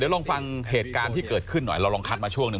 ลองฟังเหตุการณ์ที่เกิดขึ้นหน่อยเราลองคัดมาช่วงหนึ่ง